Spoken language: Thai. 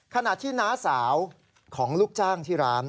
ขณะที่น้าสาวของลูกจ้างที่ร้าน